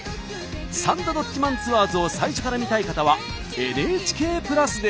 「サンドどっちマンツアーズ」を最初から見たい方はＮＨＫプラスで！